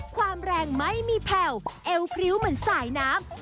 ความแรงไม่มีแผ่วเอวพริ้วเหมือนสายน้ำ